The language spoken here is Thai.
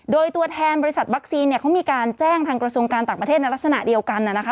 โดยตัวแทนบริษัทวัคซีนเนี่ยเขามีการแจ้งทางกระทรวงการต่างประเทศในลักษณะเดียวกันนะคะ